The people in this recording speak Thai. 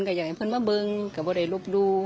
ก็อยากเห็นเพื่อนมาเผินก็ไม่ได้ลบดู